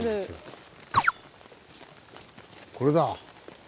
これだ。